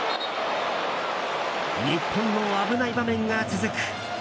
日本の危ない場面が続く。